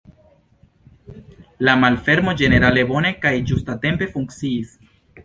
La malfermo ĝenerale bone kaj ĝustatempe funkciis.